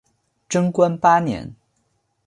贞观八年。